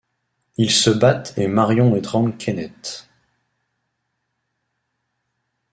Ils se battent et Marion étrangle Kenneth.